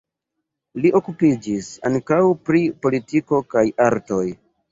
Li okupiĝis ankaŭ pri politiko kaj artoj.